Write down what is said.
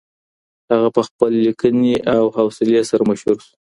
هغه په خپل ليکني او حوصلې سره مشهور سو.